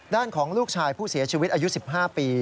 ด้านของลูกชายผู้เสียชีวิตอายุ๑๕ปี